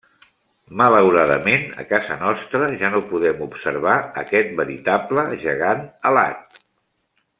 Malauradament, a casa nostra ja no podem observar aquest veritable gegant alat.